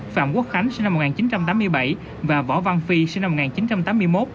phạm quốc khánh sinh năm một nghìn chín trăm tám mươi bảy và võ văn phi sinh năm một nghìn chín trăm tám mươi một